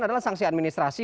adalah sangsi administrasi